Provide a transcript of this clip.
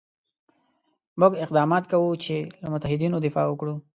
موږ اقدامات کوو چې له متحدینو دفاع وکړو.